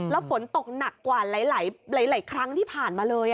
แล้วฝนตกหนักกว่าหลายครั้งที่ผ่านมาเลย